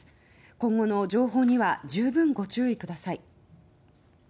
今後の情報には十分ご注意ください。